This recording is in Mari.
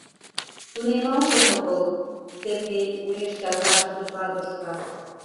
Тунемалтын огыл, — Сергей уэш чаркажым тудлан тушка.